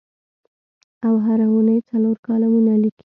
او هره اوونۍ څلور کالمونه لیکي.